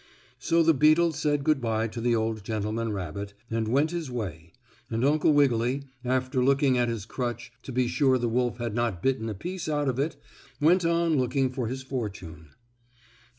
So the beetle said good by to the old gentleman rabbit, and went his way, and Uncle Wiggily, after looking at his crutch to be sure the wolf had not bitten a piece out of it, went on looking for his fortune.